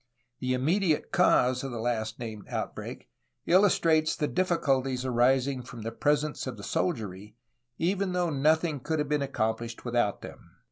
The im mediate cause of the last named outbreak illustrates the difficulties arising from the presence of the soldiery, even though nothing could have been accomplished without them.